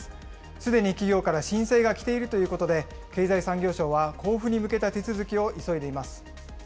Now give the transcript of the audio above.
すでに企業から申請が来ているということで、経済産業省は交付に向けた手続きを急いでいます。